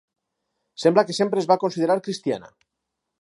Sembla que sempre es va considerar cristiana.